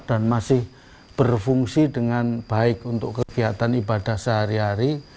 dan masih berfungsi dengan baik untuk kegiatan ibadah sehari hari